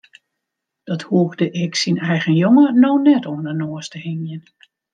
Dat hoegde ik syn eigen jonge no net oan de noas te hingjen.